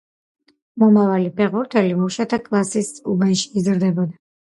მომავალი ფეხბურთელი მუშათა კლასის უბანში იზრდებოდა.